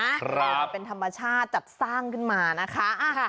มันเป็นธรรมชาติจัดสร้างขึ้นมานะคะ